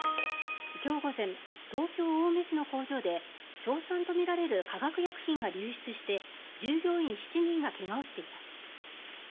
今日午前、東京・青梅市の工場で硝酸とみられる化学薬品が流出して従業員７人が怪我をしています。